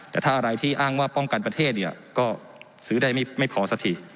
แต่ถ้าอะไรที่อ้างว่าป้องกันประเทศเนี่ยก็ซื้อได้ไม่พอสักที